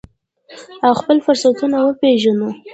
او خپل فرصتونه وپیژنو.